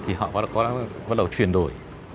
thì họ bắt đầu chuyển đổi